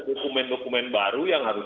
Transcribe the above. dokumen dokumen baru yang harus